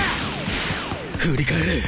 振り返れ。